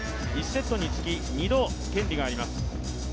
１セットにつき、２度権利があります